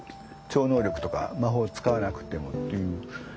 超能力とか魔法使わなくてもという。